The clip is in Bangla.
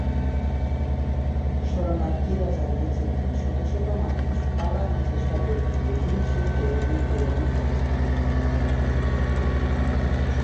শরণার্থীরা জানিয়েছেন যে শত শত মানুষ পালানোর চেষ্টা করতে গিয়ে হিমশিম খেয়ে মৃত্যুবরণ করেছে।